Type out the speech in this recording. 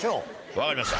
分かりました。